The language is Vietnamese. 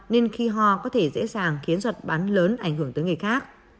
nên khi ho có thể dễ dàng khiến giọt bắn lớn ảnh hưởng tới người khác